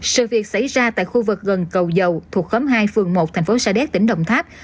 sự việc xảy ra tại khu vực gần cầu dầu thuộc khóm hai phường một thành phố sa đéc tỉnh đồng tháp